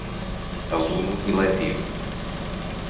Aluno eletivo